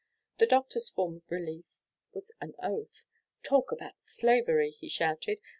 The doctor's form of relief was an oath. "Talk about slavery!" he shouted.